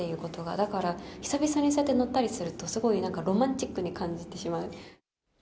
だから、久々にそうやって乗ったりすると、すごいなんか、ロマンチックに感じてしまう。